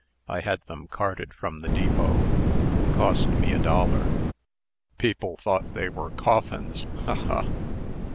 I had them carted from the depot. Cost me a dollar. People thought they were coffins. Ha! ha!